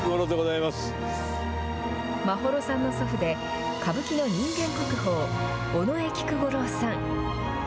眞秀さんの祖父で歌舞伎の人間国宝尾上菊五郎さん。